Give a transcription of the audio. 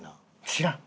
知らん。